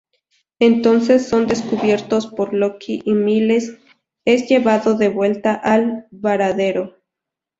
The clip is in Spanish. Entonces son descubiertos por Locke y Miles es llevado de vuelta al varadero.